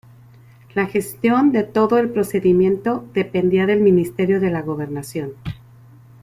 La gestión de todo el procedimiento dependía del Ministerio de la Gobernación.